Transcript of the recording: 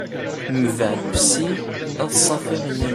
Mbeɛd bessi ad ṣaffiɣ innayen.